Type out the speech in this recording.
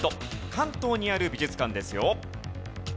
関東にある美術館ですよ。